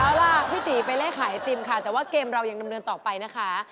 เอาล่ะพี่ตีไปเลขขายไอติมค่ะแต่ว่าเกมเรายังดำเนินต่อไปนะคะ